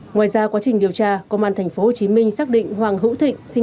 ngoài ra quá trình điều tra công an tp hcm xác định hoàng hữu thịnh sinh